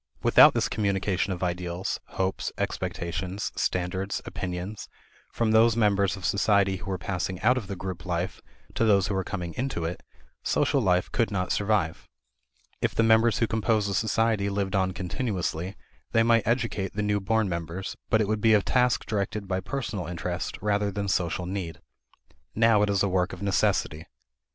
Without this communication of ideals, hopes, expectations, standards, opinions, from those members of society who are passing out of the group life to those who are coming into it, social life could not survive. If the members who compose a society lived on continuously, they might educate the new born members, but it would be a task directed by personal interest rather than social need. Now it is a work of necessity.